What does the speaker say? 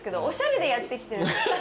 おしゃれでやってきてるんです。